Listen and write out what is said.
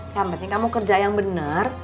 yang penting kamu kerja yang benar